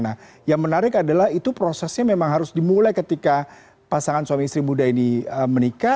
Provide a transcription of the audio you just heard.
nah yang menarik adalah itu prosesnya memang harus dimulai ketika pasangan suami istri muda ini menikah